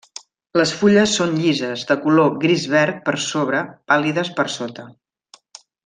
Les fulles són llises, de color gris-verd per sobre, pàl·lides per sota.